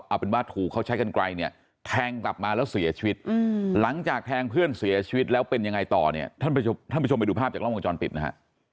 เอาเป็นว่าถูกเขาใช้กันไกลเนี่ยแทงกลับมาแล้วเสียชีวิตหลังจากแทงเพื่อนเสียชีวิตแล้วเป็นยังไงต่อเนี่ยท่านผู้ชมท่านผู้ชมไปดูภาพจากล้องวงจรปิดนะฮะ